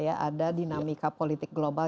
ada dinamika politik global